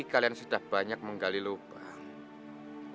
kalian sudah banyak menggali lubang